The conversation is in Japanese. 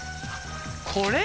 これ？